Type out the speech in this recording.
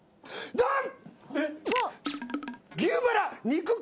ドン！